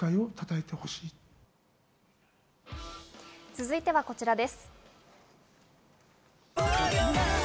続いては、こちらです。